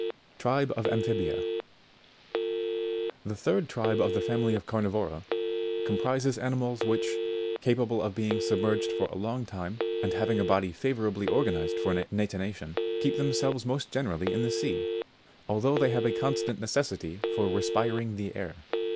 Tribe of Amphibia. 79. The third tribe of the family of Carnivora comprises ani mals which, capable of being submerged for a long time and having a body favourably organised for natation, keep them selves most generally in the sea, although they have a constant necessity for respiring the air.